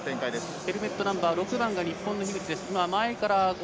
ヘルメットナンバー６番が日本の樋口。